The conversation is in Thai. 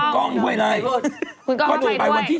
ก้องก็บอกว่าก้องจะไปวันที่๑๗